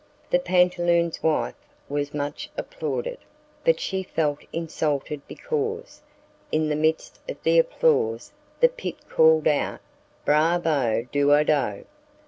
The pantaloon's wife was much applauded, but she felt insulted because, in the midst of the applause, the pit called out, "Bravo, Duodo!"